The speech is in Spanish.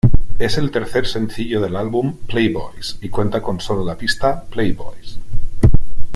Es el tercer sencillo del álbum "Playboys", y cuenta con sólo la pista "Playboys".